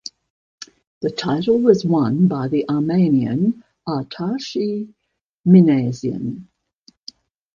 The title was won by the Armenian Artashes Minasian.